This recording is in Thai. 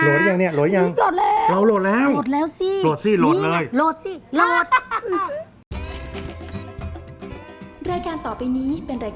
โหลดยังเนี่ยโหลดยังเราโหลดแล้วโหลดแล้วโหลดซี่โหลดเลยโหลดซี่โหลด